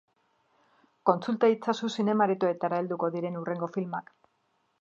Kontsulta itzazu zinema-aretoetara helduko diren hurrengo filmak.